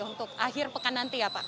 untuk akhir pekan nanti ya pak